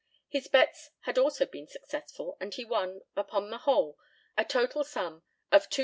His bets had also been successful, and he won, upon the whole, a total sum of £2,050.